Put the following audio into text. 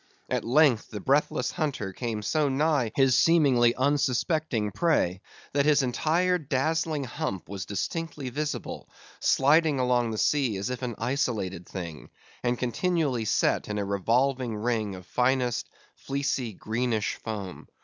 At length the breathless hunter came so nigh his seemingly unsuspecting prey, that his entire dazzling hump was distinctly visible, sliding along the sea as if an isolated thing, and continually set in a revolving ring of finest, fleecy, greenish foam.